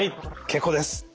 結構です。